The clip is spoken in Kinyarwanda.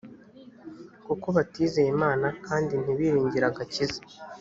kuko batizeye imana kandi ntibiringire agakiza